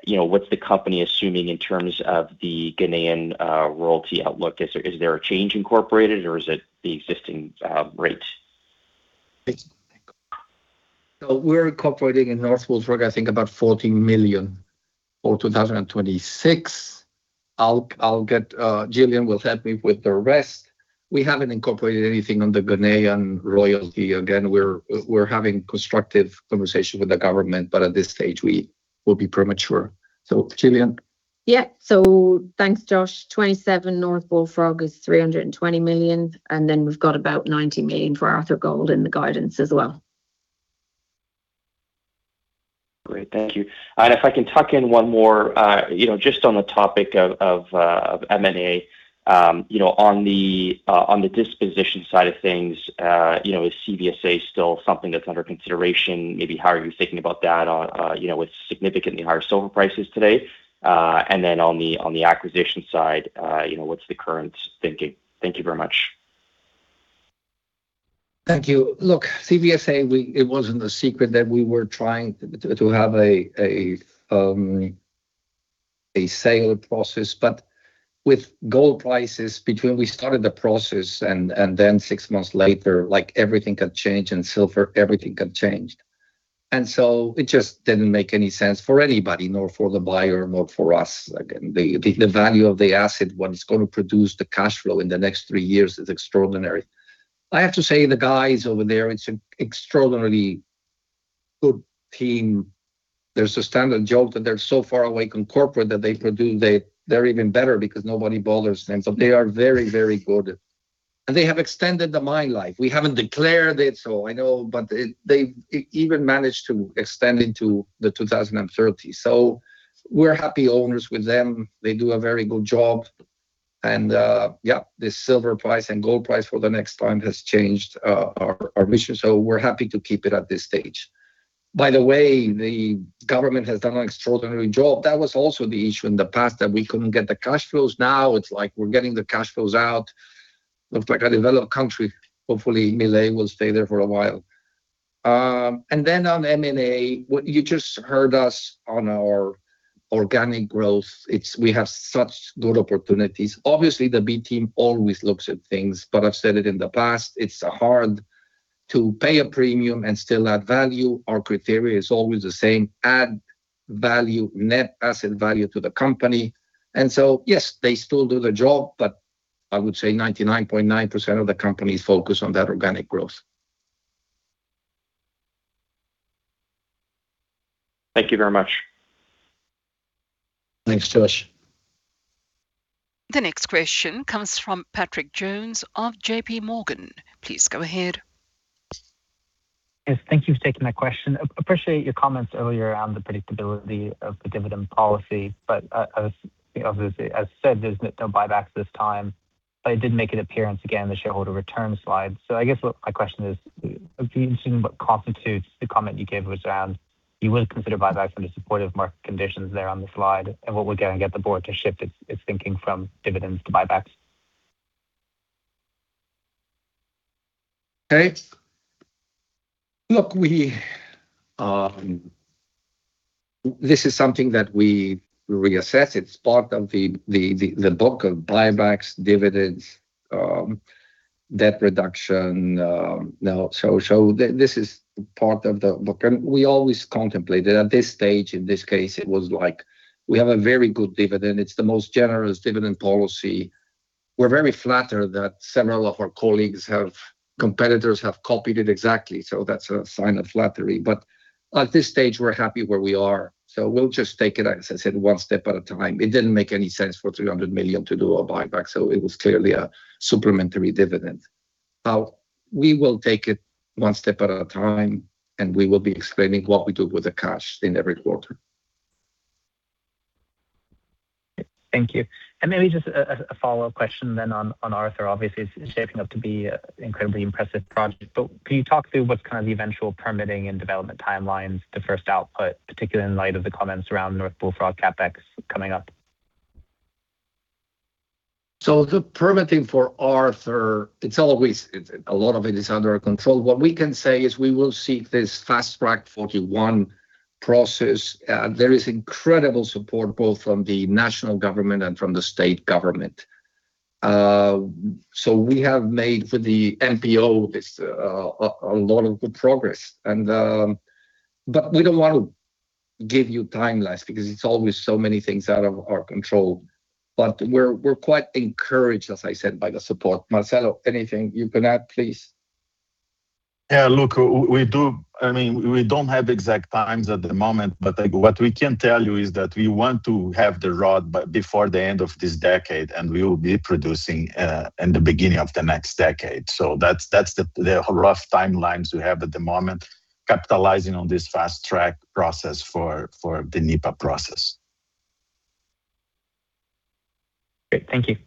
you know, what's the company assuming in terms of the Ghanaian, royalty outlook? Is there a change incorporated or is it the existing, rate? So we're incorporating in North Bullfrog, I think about $14 million for 2026. I'll get. Gillian will help me with the rest. We haven't incorporated anything on the Ghanaian royalty. Again, we're having constructive conversations with the government, but at this stage, we will be premature. So, Gillian? Yeah. So thanks, Josh. 27 North Bullfrog is $320 million, and then we've got about $90 million for Arthur Gold in the guidance as well. Great, thank you. And if I can tuck in one more, you know, just on the topic of M&A, you know, on the disposition side of things, you know, is CVSA still something that's under consideration? Maybe how are you thinking about that, you know, with significantly higher silver prices today? And then on the acquisition side, you know, what's the current thinking? Thank you very much. Thank you. Look, CVSA, we—it wasn't a secret that we were trying to have a sale process, but with gold prices between we started the process and then six months later, like, everything had changed, and silver, everything had changed. And so it just didn't make any sense for anybody, nor for the buyer, nor for us. Again, the value of the asset, what it's gonna produce, the cash flow in the next three years is extraordinary. I have to say, the guys over there, it's an extraordinarily good team. There's a standard joke that they're so far away from corporate that they produce they, they're even better because nobody bothers them. So they are very, very good, and they have extended the mine life. We haven't declared it, so I know, but they, they even managed to extend into 2030. So we're happy owners with them. They do a very good job, and, yeah, the silver price and gold price for the next time has changed our vision, so we're happy to keep it at this stage. By the way, the government has done an extraordinary job. That was also the issue in the past, that we couldn't get the cash flows. Now it's like we're getting the cash flows out, looks like a developed country. Hopefully, Milei will stay there for a while. And then on M&A, what you just heard us on our organic growth, it's we have such good opportunities. Obviously, the B team always looks at things, but I've said it in the past, it's hard to pay a premium and still add value. Our criteria is always the same: add value, net asset value to the company. So, yes, they still do the job, but I would say 99.9% of the company is focused on that organic growth. Thank you very much. Thanks, Josh. The next question comes from Patrick Jones of J.P. Morgan. Please go ahead. Yes, thank you for taking my question. Appreciate your comments earlier around the predictability of the dividend policy, but, as, obviously, as said, there's no buybacks this time, but it did make an appearance again in the shareholder return slide. So I guess what my question is, do you see what constitutes the comment you gave us around you would consider buybacks under supportive market conditions there on the slide, and what we're going to get the board to shift its thinking from dividends to buybacks? Okay. Look, we, this is something that we reassess. It's part of the book of buybacks, dividends, debt reduction now. So this is part of the book, and we always contemplate it. At this stage, in this case, it was like, we have a very good dividend. It's the most generous dividend policy. We're very flattered that several of our colleagues have, competitors have copied it exactly, so that's a sign of flattery, but at this stage, we're happy where we are. So we'll just take it, as I said, one step at a time. It didn't make any sense for $300 million to do a buyback, so it was clearly a supplementary dividend. We will take it one step at a time, and we will be explaining what we do with the cash in every quarter. Thank you. And maybe just a follow-up question then on Arthur. Obviously, it's shaping up to be an incredibly impressive project, but can you talk through what's kind of the eventual permitting and development timelines, the first output, particularly in light of the comments around North Bullfrog CapEx coming up? So the permitting for Arthur, it's always, It's a lot of it is under our control. What we can say is we will seek this fast-track 41 process. There is incredible support, both from the national government and from the state government. So we have made a lot of good progress for the NEPA, and but we don't want to give you timelines because it's always so many things out of our control. But we're quite encouraged, as I said, by the support. Marcelo, anything you can add, please? Yeah, look, we do—I mean, we don't have exact times at the moment, but, like, what we can tell you is that we want to have the ROD by before the end of this decade, and we will be producing in the beginning of the next decade. So that's the rough timelines we have at the moment, capitalizing on this fast-track process for the NEPA process. Great. Thank you.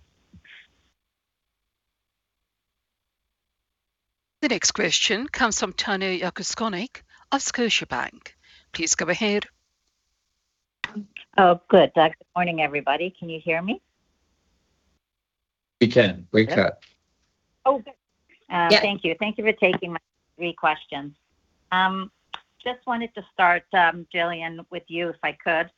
The next question comes from Tanya Jakusconek of Scotiabank. Please go ahead. Oh, good. Good morning, everybody. Can you hear me? We can. Great shot. Oh, good. Yeah. Thank you. Thank you for taking my three questions. Just wanted to start, Gillian, with you, if I could.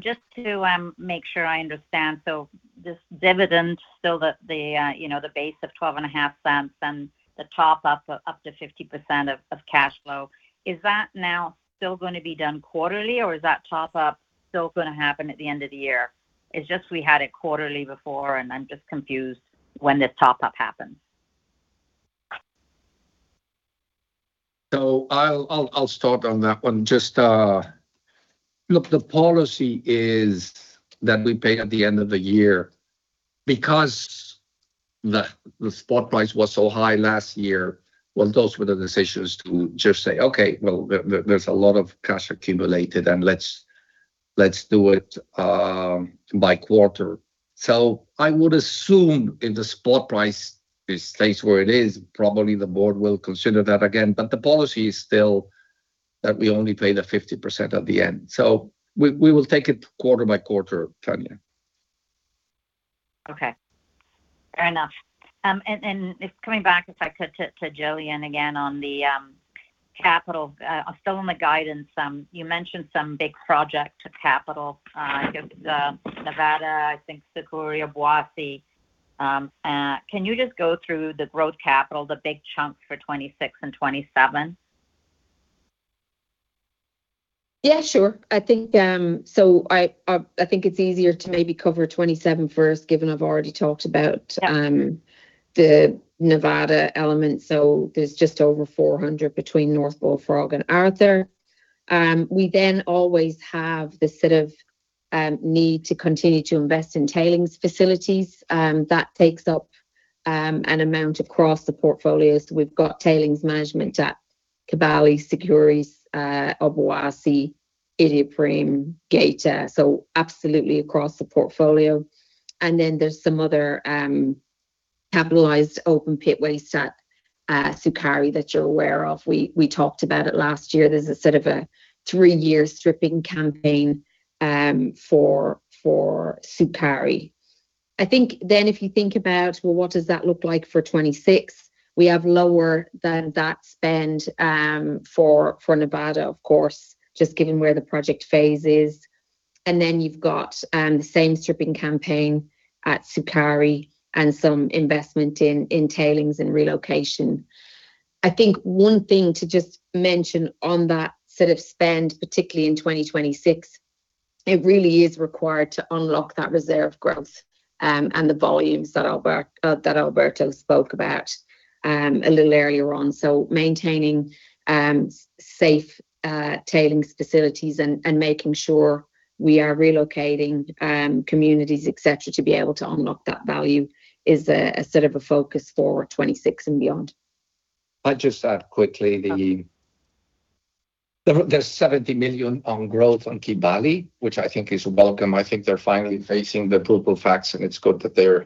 Just to make sure I understand. So this dividend, still the, the, you know, the base of $0.125 and the top up, up to 50% of, of cash flow, is that now still gonna be done quarterly, or is that top up still gonna happen at the end of the year? It's just we had it quarterly before, and I'm just confused when this top up happens. So I'll start on that one. Just, look, the policy is that we pay at the end of the year. Because the spot price was so high last year, well, those were the decisions to just say, "Okay, well, there, there's a lot of cash accumulated, and let's do it by quarter." So I would assume if the spot price stays where it is, probably the board will consider that again. But the policy is still that we only pay the 50% at the end. So we will take it quarter-by-quarter, Tanya. Okay, fair enough. And just coming back, if I could, to Gillian again on the capital. Still on the guidance, you mentioned some big project capex. I think it was Nevada, I think Sukari, Obuasi. Can you just go through the growth capital, the big chunks for 2026 and 2027? Yeah, sure. I think, so I think it's easier to maybe cover '27 first, given I've already talked about Yeah The Nevada element. So there's just over 400 between North Bullfrog and Arthur. We then always have this sort of need to continue to invest in tailings facilities that takes up an amount across the portfolio. So we've got tailings management at Kibali, Siguiri, Obuasi, Iduapriem, Geita, so absolutely across the portfolio. And then there's some other capitalized open pit waste at Sukari that you're aware of. We talked about it last year. There's a sort of a three-year stripping campaign for Sukari. I think then if you think about, well, what does that look like for 2026? We have lower than that spend for Nevada, of course, just given where the project phase is. And then you've got the same stripping campaign at Sukari and some investment in tailings and relocation. I think one thing to just mention on that sort of spend, particularly in 2026, it really is required to unlock that reserve growth, and the volumes that Albert, that Alberto spoke about, a little earlier on. So maintaining, safe, tailings facilities and, and making sure we are relocating, communities, et cetera, et cetera, to be able to unlock that value is a, a sort of a focus for 2026 and beyond. I'll just add quickly Uh The seventy million on growth on Kibali, which I think is welcome. I think they're finally facing the brutal facts, and it's good that they're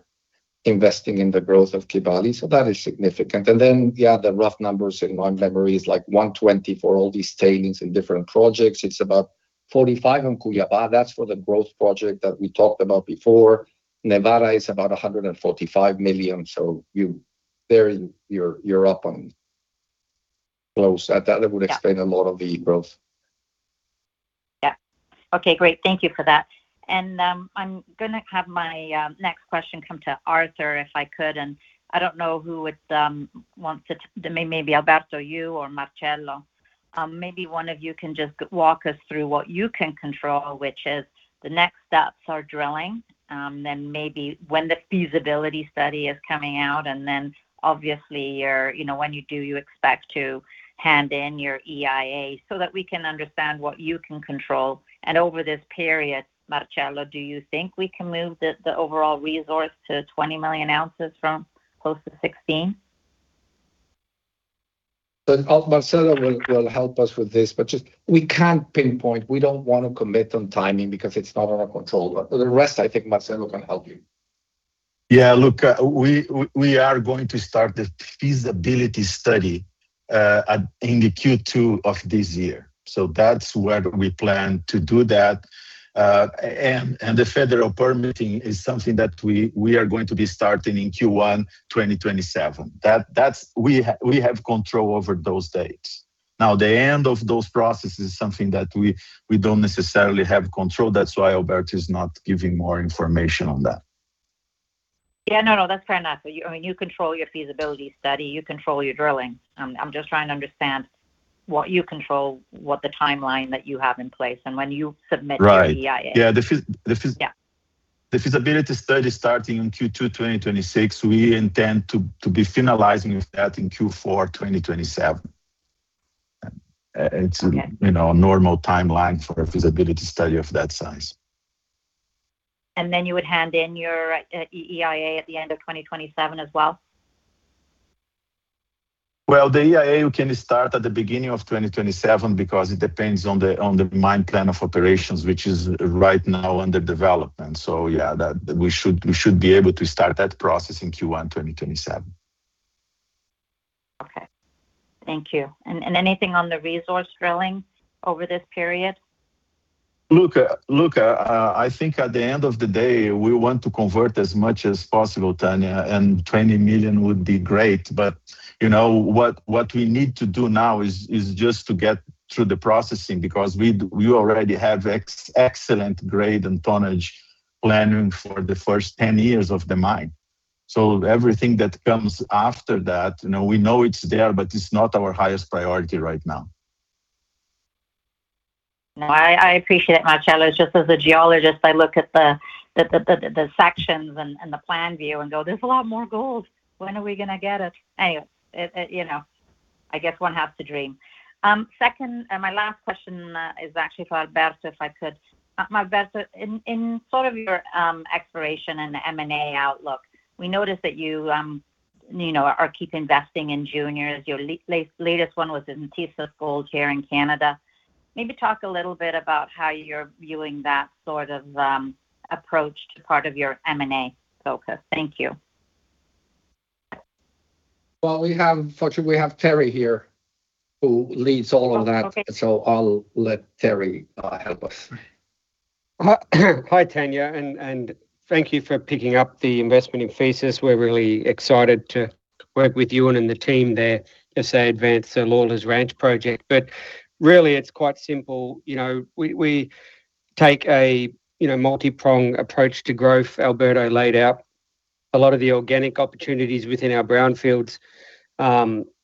investing in the growth of Kibali, so that is significant. And then, yeah, the rough numbers in my memory is like $120 million for all these tailings in different projects. It's about $45 million in Cuiabá. That's for the growth project that we talked about before. Nevada is about $145 million, so you're up close. That would Yeah Explain a lot of the growth. Yeah. Okay, great. Thank you for that. And, I'm gonna have my next question come to Arthur, if I could, and I don't know who would want to, maybe Alberto, you or Marcelo. Maybe one of you can just walk us through what you can control, which is the next steps are drilling, then maybe when the feasibility study is coming out, and then obviously, your, you know, when you do you expect to hand in your EIA, so that we can understand what you can control. And over this period, Marcelo, do you think we can move the overall resource to 20 million ounces from close to 16? But Marcelo will help us with this, but just we can't pinpoint. We don't want to commit on timing because it's not in our control. But the rest, I think Marcelo can help you. Yeah, look, we are going to start the feasibility study in Q2 of this year. So that's where we plan to do that. And the federal permitting is something that we are going to be starting in Q1 2027. That's, we have control over those dates. Now, the end of those processes is something that we don't necessarily have control. That's why Alberto is not giving more information on that. Yeah, no, no, that's fair enough. You, I mean, you control your feasibility study, you control your drilling. I'm just trying to understand what you control, what the timeline that you have in place, and when you submit Right The EIA. Yeah, the feasibility Yeah. The feasibility study starting in Q2 2026, we intend to be finalizing that in Q4 2027. Okay You know, normal timeline for a feasibility study of that size. And then you would hand in your EIA at the end of 2027 as well? Well, the EIA, we can start at the beginning of 2027 because it depends on the, on the mine plan of operations, which is right now under development. So yeah, that, we should, we should be able to start that process in Q1 2027. Okay. Thank you. And anything on the resource drilling over this period? Look, look, I think at the end of the day, we want to convert as much as possible, Tanya, and 20 million would be great. But, you know, what we need to do now is just to get through the processing, because we already have excellent grade and tonnage planning for the first 10 years of the mine. So everything that comes after that, you know, we know it's there, but it's not our highest priority right now. No, I appreciate it, Marcelo. Just as a geologist, I look at the sections and the plan view and go, "There's a lot more gold. When are we gonna get it?" Anyway, it, you know, I guess one has to dream. Second, and my last question, is actually for Alberto, if I could. Alberto, in sort of your exploration and the M&A outlook, we noticed that you, you know, are keep investing in juniors. Your latest one was in Thesis Gold here in Canada. Maybe talk a little bit about how you're viewing that sort of approach to part of your M&A focus. Thank you. Well, we have, fortunately, we have Terry here, who leads all of that. Okay. I'll let Terry help us. Hi, Tanya, and thank you for picking up the investment in Thesis. We're really excited to work with you and the team there as they advance the Lawyers Ranch project. But really, it's quite simple. You know, we take a you know, multipronged approach to growth. Alberto laid out a lot of the organic opportunities within our brownfields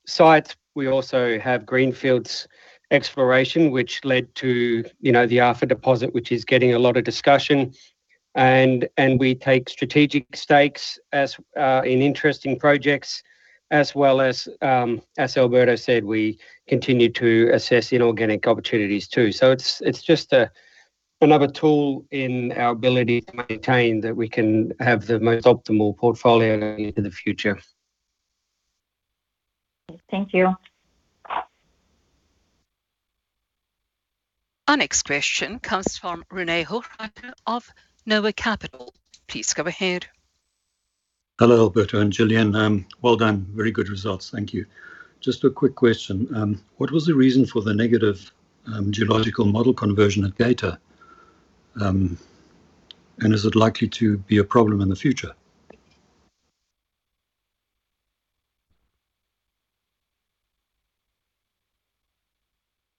sites. We also have greenfields exploration, which led to, you know, the Alpha deposit, which is getting a lot of discussion. And we take strategic stakes as in interesting projects, as well as, as Alberto said, we continue to assess inorganic opportunities too. So it's just another tool in our ability to maintain that we can have the most optimal portfolio going into the future. Thank you. Our next question comes from René Hochreiter of Noah Capital. Please go ahead. Hello, Alberto and Gillian. Well done. Very good results. Thank you. Just a quick question. What was the reason for the negative geological model conversion at Geita? And is it likely to be a problem in the future?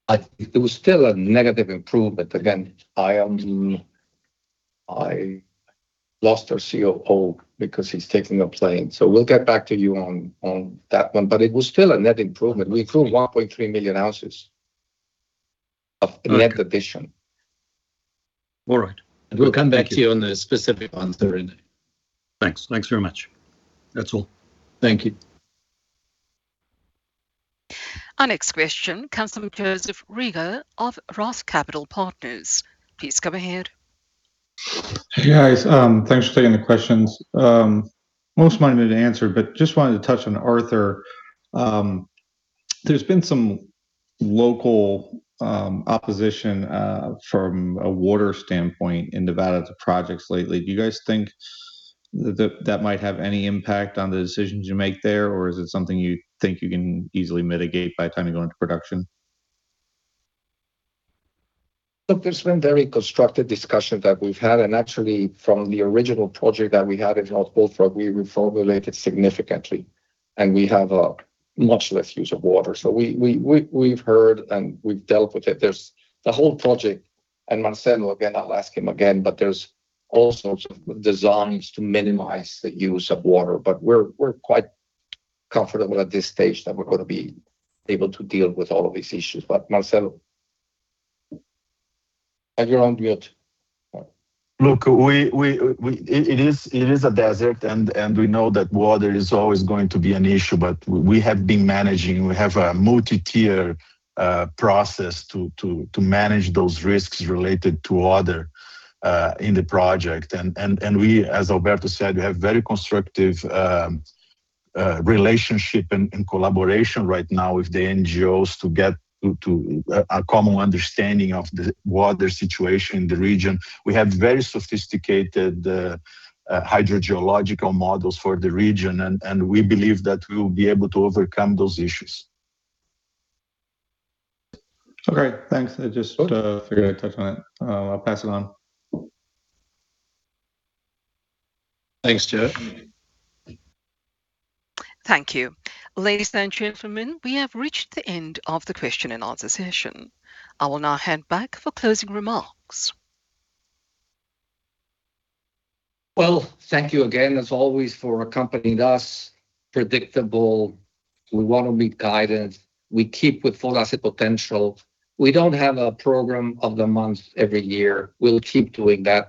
It was still a negative improvement. Again, I lost our COO because he's taking a plane, so we'll get back to you on that one. But it was still a net improvement. We improved 1.3 million ounces of Okay Net addition. All right. We'll come back to you on the specific ones, René. Thanks. Thanks very much. That's all. Thank you. Our next question comes from Joseph Rieger of Roth Capital Partners. Please go ahead. Hey, guys. Thanks for taking the questions. Most might have been answered, but just wanted to touch on Arthur. There's been some local opposition from a water standpoint in Nevada to projects lately. Do you guys think that might have any impact on the decisions you make there, or is it something you think you can easily mitigate by the time you go into production? Look, there's been very constructive discussion that we've had, and actually, from the original project that we had in North Bullfrog, we reformulated significantly, and we have a much less use of water. So we've heard and we've dealt with it. There's the whole project, and Marcelo, again, I'll ask him again, but there's all sorts of designs to minimize the use of water. But we're quite comfortable at this stage that we're gonna be able to deal with all of these issues. But Marcelo, have your own word. Look, it is a desert, and we know that water is always going to be an issue, but we have been managing. We have a multi-tier process to manage those risks related to water in the project. And we, as Alberto said, we have very constructive relationship and collaboration right now with the NGOs to get to a common understanding of the water situation in the region. We have very sophisticated hydrogeological models for the region, and we believe that we will be able to overcome those issues. Okay, thanks. I just figured I'd touch on it. I'll pass it on. Thanks, Joe. Thank you. Ladies and gentlemen, we have reached the end of the question and answer session. I will now hand back for closing remarks. Well, thank you again, as always, for accompanying us. Predictable, we want to be guided. We keep with Full Asset Potential. We don't have a program of the month every year. We'll keep doing that.